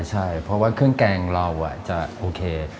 ใช่เพราะว่าเครื่องแกงเราจะโอเค